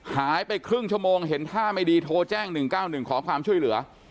หายไปครึ่งชั่วโมงเห็นท่าไม่ดีโทรแจ้ง๑๙๑ขอความช่วยเหลือ